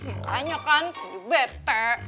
makanya kan sindi bete